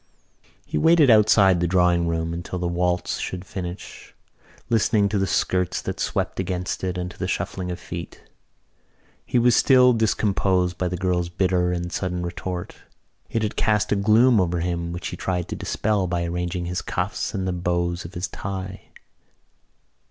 He waited outside the drawing room door until the waltz should finish, listening to the skirts that swept against it and to the shuffling of feet. He was still discomposed by the girl's bitter and sudden retort. It had cast a gloom over him which he tried to dispel by arranging his cuffs and the bows of his tie.